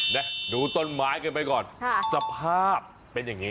นะดูต้นไม้กันไปก่อนสภาพเป็นอย่างนี้